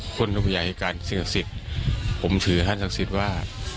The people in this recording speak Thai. คนธรรมยาธิการสินศักดิ์สิทธิ์ผมถือท่านศักดิ์สิทธิ์ว่า